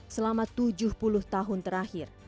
selama tujuh puluh tahun terakhir